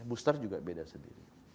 booster juga beda sendiri